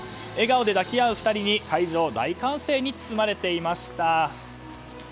笑顔で抱き合う２人に会場、大歓声に包まれていました。